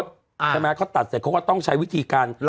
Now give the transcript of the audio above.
ใช่ไหมเขาตัดเสร็จเขาก็ต้องใช้วิธีการ